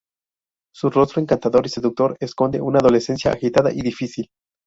Su rostro encantador y seductor esconde una adolescencia agitada y difícil.